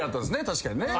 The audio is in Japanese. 確かにね。